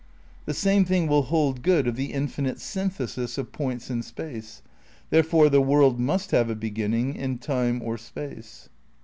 The same thing will hold good of the infinite synthesis of points in space. Therefore the world must have a beginning in time or space.